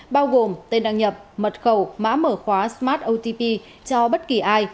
bao gồm tên đăng nhập mật khẩu mã mở khóa smart otp cho bất kỳ ai